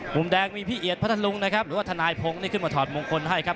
มุมแดงมีพี่เอียดพัทธลุงนะครับหรือว่าทนายพงศ์นี่ขึ้นมาถอดมงคลให้ครับ